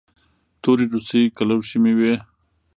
تورې روسۍ کلوشې مې وې.